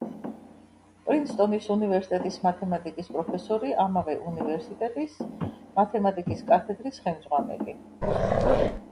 პრინსტონის უნივერსიტეტის მათემატიკის პროფესორი, ამავე უნივერსიტეტის მათემატიკის კათედრის ხელმძღვანელი.